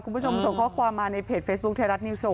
คุณผู้ชมส่งข้อความมาในเพจเฟซบุ๊คไทยรัฐนิวโชว